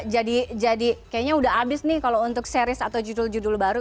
jadi kayaknya udah habis nih kalau untuk series atau judul judul baru